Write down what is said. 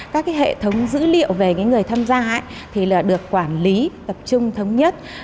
các hệ thống dữ liệu về người tham gia thì được quản lý tập trung thống nhất